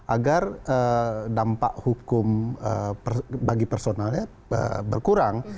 agar dampak hukum bagi personalnya berkurang